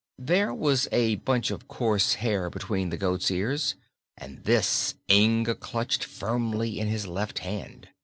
There was a bunch of coarse hair between the goat's ears, and this Inga clutched firmly in his left hand.